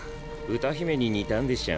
歌姫に似たんでしょ。